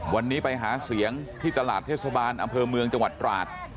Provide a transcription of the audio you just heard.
วันนี้ไปหาเสียงที่ตลาดเทศบาลอำเภอเมืองจังหวัดตราด